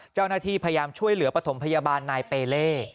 เจ้าหน้าที่พยายามช่วยเหลือปฐมพยาบาลนายเปเล่